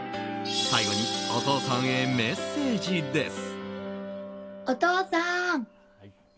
最後にお父さんへメッセージです。